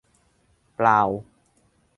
เปล่า